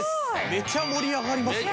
めちゃ盛り上がりますね。